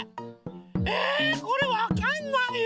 えこれわかんないよ！